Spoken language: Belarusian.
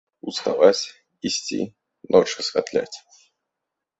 Уставаць, ісці, ноч асвятляць!